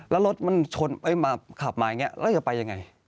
แล้วรถมันชนมาขับมาอย่างนี้แล้วจะไปยังไง